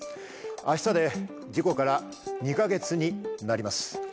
明日で事故から２か月になります。